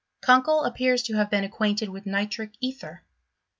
Kunkel appears to have been ac quainted with nitric ether.